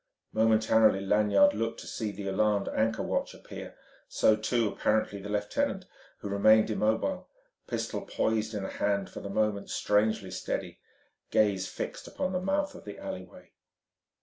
Momentarily Lanyard looked to see the alarmed anchor watch appear; so too, apparently, the lieutenant, who remained immobile, pistol poised in a hand for the moment strangely steady, gaze fixed upon the mouth of the alleyway.